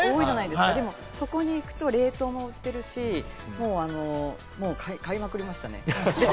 そこに行くと冷凍も売ってるし、もう買いまくりましたね。